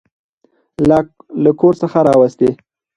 له کور څخه راوستې.